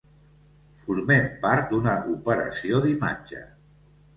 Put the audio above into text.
Formem part d'una operació d'imatge.